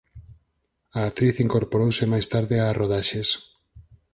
A actriz incorporouse máis tarde ás rodaxes.